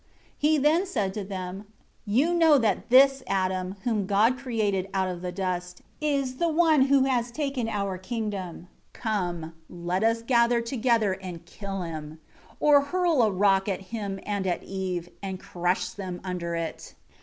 3 He then said to them, "You know that this Adam, whom God created out of the dust, is the one who has taken our kingdom, come, let us gather together and kill him; or hurl a rock at him and at Eve, and crush them under it."